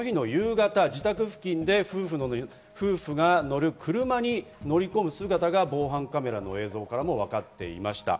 自宅付近で夫婦が車に乗り込む姿が防犯カメラの映像からもわかっていました。